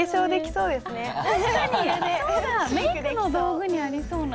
そうだメークの道具にありそうな。